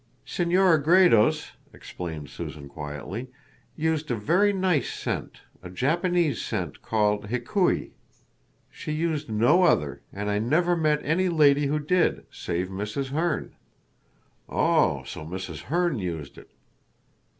"Senora Gredos," explained Susan quietly, "used a very nice scent a Japanese scent called Hikui. She used no other, and I never met any lady who did, save Mrs. Herne." "Oh, so Mrs. Herne used it."